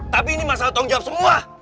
tapi ini masalah tanggung jawab semua